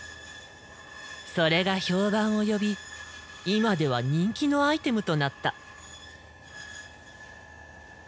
それが評判を呼び今では人気のアイテムとなった。